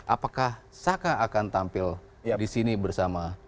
apakah saka akan tampil disini bersama